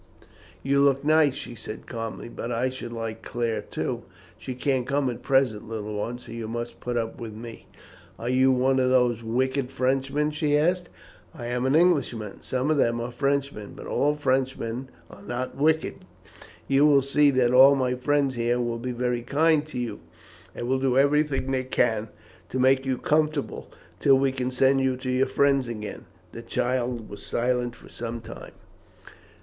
"You look nice," she said calmly, "but I should like Claire, too." "She can't come at present, little one, so you must put up with me." "Are you one of those wicked Frenchmen?" she asked. "I am an Englishman. Some of them are Frenchmen, but all Frenchmen are not wicked. You will see that all my friends here will be very kind to you, and will do everything they can to make you comfortable, till we can send you to your friends again." The child was silent for some time.